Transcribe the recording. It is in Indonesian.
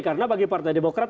karena bagi partai demokrat